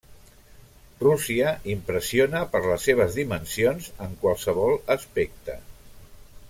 Rússia impressiona per les seves dimensions en qualsevol aspecte.